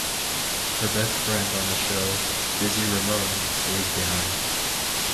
Her best friend on the show, Busy Ramone, stays behind.